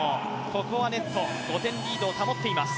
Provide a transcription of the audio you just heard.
ここはネット５点リードを保っています。